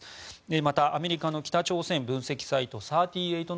また、アメリカの北朝鮮分析サイト３８